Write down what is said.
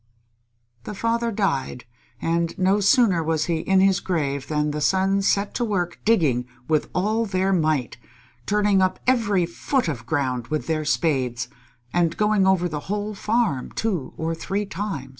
The father died, and no sooner was he in his grave than the sons set to work digging with all their might, turning up every foot of ground with their spades, and going over the whole farm two or three times.